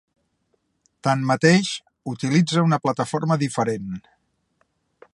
Tanmateix, utilitza una plataforma diferent.